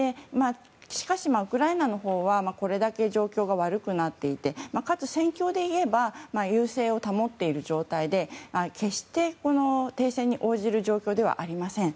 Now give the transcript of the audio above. しかし、ウクライナのほうはこれだけ状況が悪くなっていてかつ戦況でいえば優勢を保っている状態で決して停戦に応じる状況ではありません。